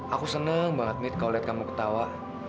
aku seneng banget mit kalau lihat kamu ketawa